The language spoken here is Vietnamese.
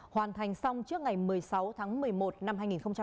hoàn thành xong trước ngày một mươi sáu tháng một mươi một năm hai nghìn hai mươi